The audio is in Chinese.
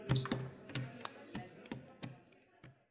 凹睾棘缘吸虫为棘口科棘缘属的动物。